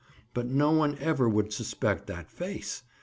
But no one ever would suspect that face!